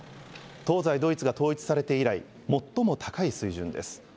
東西ドイツが統一されて以来、最も高い水準です。